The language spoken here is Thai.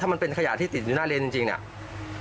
มันเป็นขยะที่ติดอยู่หน้าเลนจริงเนี่ย